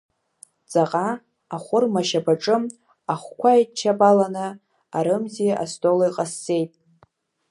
Ҵаҟа, ахәырма ашьапаҿы, аӷәқәа еидчаԥаланы арымӡи астоли ҟасҵеит.